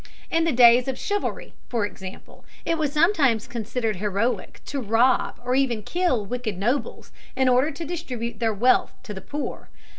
In the days of chivalry, for example, it was sometimes considered heroic to rob or even kill wicked nobles in order to distribute their wealth to the poor.